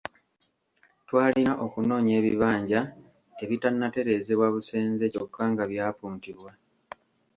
Twalina okunoonya ebibanja ebitannatereezebwa busenze kyokka nga byapuntibwa.